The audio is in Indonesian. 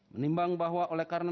menimbang bahwa oleh karena